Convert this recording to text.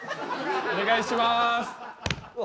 お願いします。